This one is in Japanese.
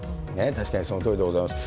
確かにそのとおりでございます。